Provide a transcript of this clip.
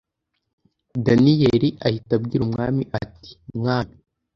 daniyeli ahita abwira umwami ati mwami